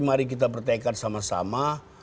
mari kita bertaikan sama sama